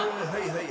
はい。